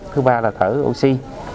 thứ ba là thở oxy